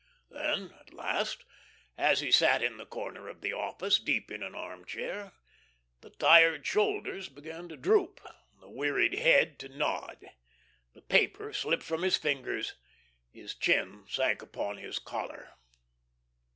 Then, at last, as he sat in the corner of the office deep in an armchair, the tired shoulders began to droop, the wearied head to nod. The paper slipped from his fingers, his chin sank upon his collar.